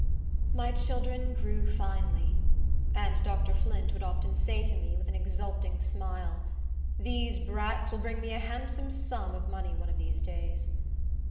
My children grew finely; and Dr. Flint would often say to me, with an exulting smile. "These brats will bring me a handsome sum of money one of these days."